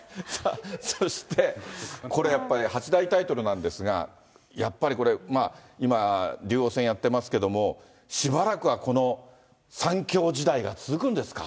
そして、これやっぱり八大タイトルなんですが、やっぱりこれ、今、竜王戦やってますけれども、しばらくはこの３強時代が続くんですか。